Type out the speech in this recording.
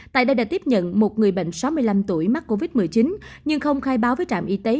tại đây đã tiếp nhận một người bệnh sáu mươi năm tuổi mắc covid một mươi chín nhưng không khai báo với trạm y tế